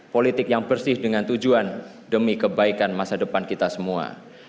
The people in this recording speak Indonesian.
politik yang bersih dengan tujuan demi kebaikan masa depan kita semua